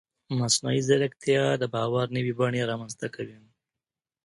مصنوعي ځیرکتیا د باور نوې بڼې رامنځته کوي.